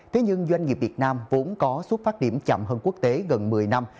thế nhưng doanh nghiệp việt nam vốn có xuất phát điểm chậm hơn quốc tế gần một mươi năm